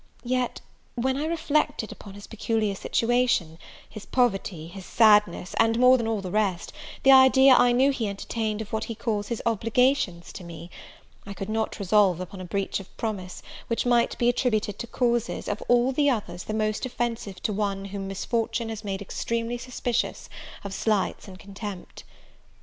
Yet, when I reflected upon his peculiar situation, his poverty, his sadness, and, more than all the rest, the idea I knew he entertained of what he calls his obligations to me, I could not resolve upon a breach of promise, which might be attributed to causes, of all the others the most offensive to one whom misfortune has made extremely suspicious of slights and contempt.